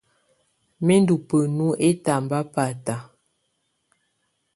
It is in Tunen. Mɛ́ ndɔ́ bǝ́nu ɛtamba báta.